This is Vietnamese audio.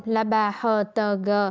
là bà h t g